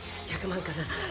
１００万かな？